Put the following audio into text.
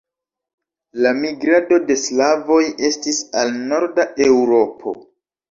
La migrado de slavoj estis al norda Eŭropo.